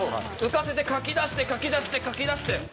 浮かせてかき出してかき出してかき出して。